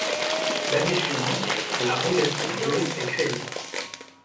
L'année suivante, la Rulles brune est créée.